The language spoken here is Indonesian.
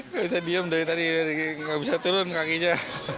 gak bisa diam dari tadi gak bisa turun kakinya